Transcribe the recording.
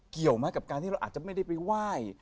กับการที่เราอาจจะไม่ได้ไปไหว้